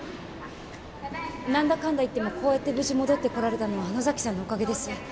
なんだかんだ言ってもこうやって無事戻ってこられたのは野崎さんのおかげです